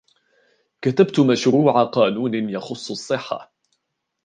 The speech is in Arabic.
كتبت مشروع قانون يخص الصحة